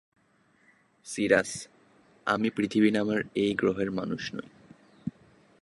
Serous আমি পৃথিবীর আমি এই গ্রহের মানুষ নই।